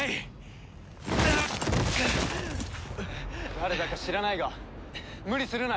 誰だか知らないが無理するなよ。